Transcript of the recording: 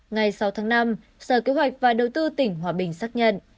ngày sáu tháng năm sở kế hoạch và đầu tư tỉnh hòa bình xác nhận